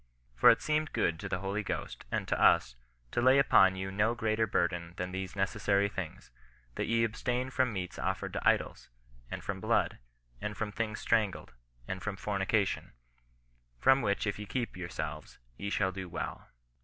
" For it seemed good to the Holy Ghost, and to us, to lay upon you no greater burden than these necessary things : That ye abstain from meats offered to idols, and from blood, and from things strangled, and from fornication: from which if yo keep yourselves, ye shall do well."